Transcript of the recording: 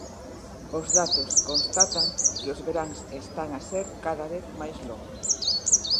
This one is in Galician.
Os datos constantan que os veráns están a ser cada vez máis longos.